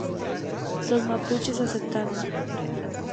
Los mapuches aceptaron.